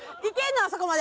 あそこまで。